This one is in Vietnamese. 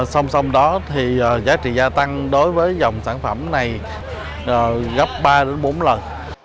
sau đó giá trị gia tăng đối với dòng sản phẩm này gấp ba bốn lần